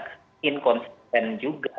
tidak inkonsisten juga